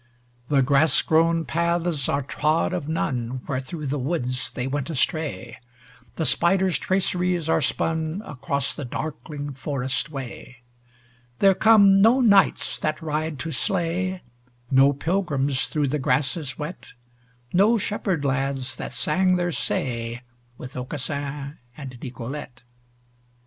The grassgrown paths are trod of none Where through the woods they went astray; The spider's traceries are spun Across the darkling forest way; There come no Knights that ride to slay, No Pilgrims through the grasses wet, No shepherd lads that sang their say With Aucassin and Nicolete.